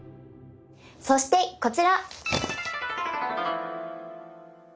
そしてこちら。